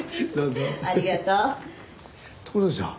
どうぞ。